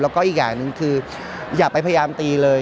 แล้วก็อีกอย่างหนึ่งคืออย่าไปพยายามตีเลย